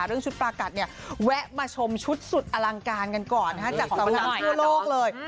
เรื่องชุดปลากัดเนี่ยแวะมาชมชุดสุดอลังการกันก่อนฮะจากสำหรับทั่วโลกเลย